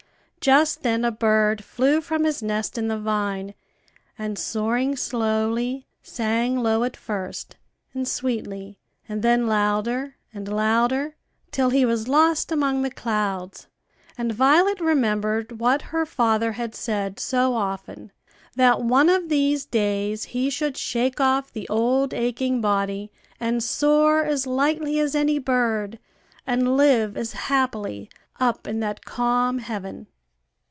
Just then a bird flew from his nest in the vine, and soaring slowly, sang low at first, and sweetly, and then louder and louder, till he was lost among the clouds. And Violet remembered what her father had said so often, that one of these days he should shake off the old aching body, and soar as lightly as any bird, and live as happily, up in that calm heaven.